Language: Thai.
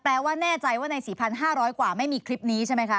ว่าแน่ใจว่าใน๔๕๐๐กว่าไม่มีคลิปนี้ใช่ไหมคะ